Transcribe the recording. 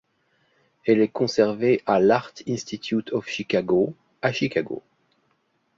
Elle est conservée à l'Art Institute of Chicago, à Chicago.